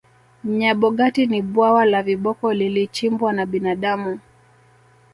nyabogati ni bwawa la viboko lilichimbwa na binadamu